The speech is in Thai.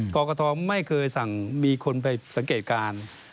กรกฐไม่เคยสั่งมีคนไปสังเกตการ